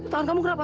tahan kamu kenapa